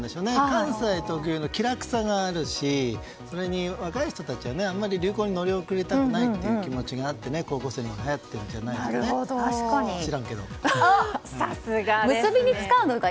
関西特有の気楽さがあるし、若い人たちはあまり流行に乗り遅れたくないという気持ちもあって高校生の中ではやってるんじゃないかとおっ、さすが！